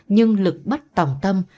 nhưng lực bắt tỏng tâm